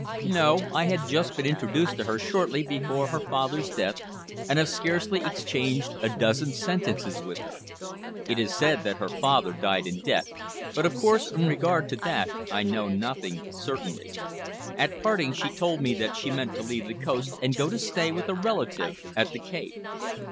"No; I had just been introduced to her shortly before her father's death, and have scarcely exchanged a dozen sentences with her. It is said that her father died in debt, but of course in regard to that I know nothing certainly. At parting, she told me that she meant to leave the coast and go to stay with a relative at the Cape."